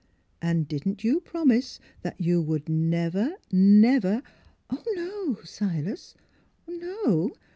And didn't you promise that you would never — never "" No, Silas; no!